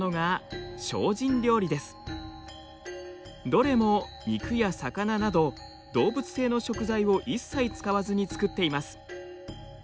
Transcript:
どれも肉や魚など動物性の食材を一切使わずに作っています。